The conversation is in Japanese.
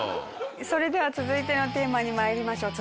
それでは続いてのテーマに参りましょう。